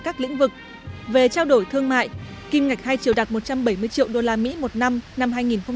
các lĩnh vực về trao đổi thương mại kim ngạch hai triệu đạt một trăm bảy mươi triệu usd một năm năm hai nghìn một mươi tám